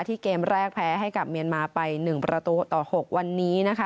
เกมแรกแพ้ให้กับเมียนมาไป๑ประตูต่อ๖วันนี้นะคะ